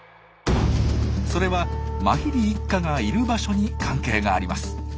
それはマヒリ一家がいる場所に関係があります。